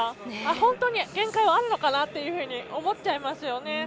本当に限界はあるのかなと思っちゃいますよね。